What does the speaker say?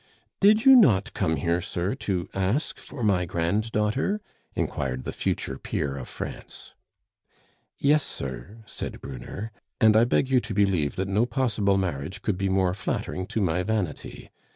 "Did you not come here, sir, to ask for my granddaughter?" inquired the future peer of France. "Yes, sir," said Brunner; "and I beg you to believe that no possible marriage could be more flattering to my vanity.